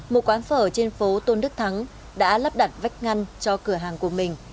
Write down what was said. một quán phở trên phố tôn đức thắng đã lắp đặt vách ngăn cho cửa hàng của mình